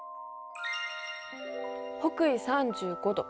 北緯３５度。